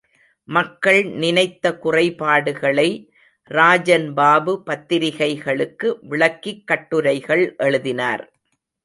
மக்கள் நினைத்த குறைபாடுகளை, ராஜன் பாபு பத்திரிக்கைகளுக்கு விளக்கிக் கட்டுரைகள் எழுதினார்.